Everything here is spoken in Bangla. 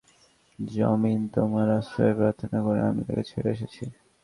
যমীন তোমার আশ্রয় প্রার্থনা করায় আমি তাকে ছেড়ে এসেছি।